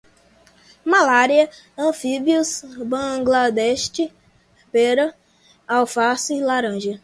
malária, anfíbios, Bangladesh, pera, alface, laranja